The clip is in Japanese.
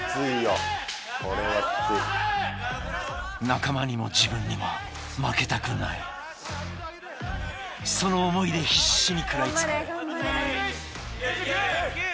仲間にも自分にも負けたくないその思いで必死に食らいつく９９１００！